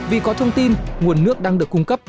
vì có thông tin nguồn nước đang được cung cấp